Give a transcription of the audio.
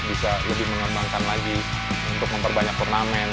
bisa lebih mengembangkan lagi untuk memperbanyak turnamen